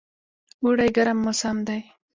اوړی ګرم موسم دی